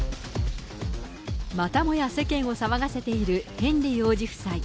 またもや世間を騒がせているヘンリー王子夫妻。